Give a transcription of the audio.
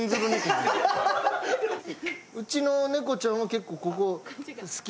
うちの猫ちゃんは結構ここ好き。